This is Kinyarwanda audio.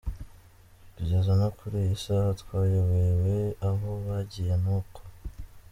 Kugeza no kuri iyi saha twayobewe aho bagiye n’uko.